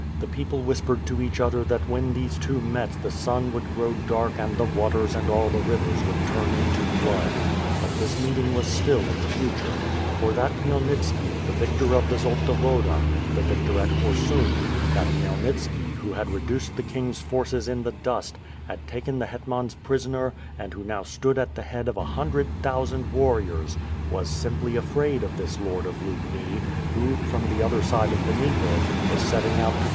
The people whispered to each other that when these two met the sun would grow dark and the waters and all the rivers would turn into blood; but this meeting was still in the future; for that Khmyelnitski, the victor of the Zolta Woda, the victor at Korsun; that Khmyelnitski, who had reduced the king^s forces in the dust; had taken the het mans prisoner, and who now stood at the head of a hundred thousand warriors, was simply afraid of this Lord of Lubni, who, from the other side of the Dnieper, was setting out to 286 ^^TH FIRE AND SWORD.